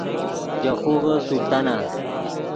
ژے خوغے سلطانہ